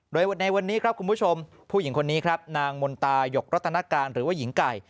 โดยในวันนี้ครับคุณผู้ชมผู้หญิงคนนี้ครับนางมนตายกรัตนการหรือว่าหญิงไก่